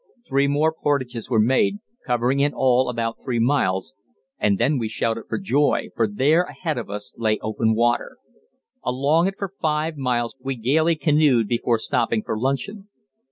Three more portages we made, covering in all about three miles, and then we shouted for joy, for there ahead of us lay open water. Along it for five miles we gaily canoed before stopping for luncheon.